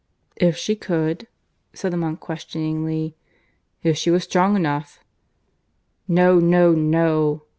"If she could?" said the monk questioningly. "If she was strong enough." "No, no, no!"